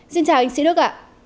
xin chào anh sĩ đức ạ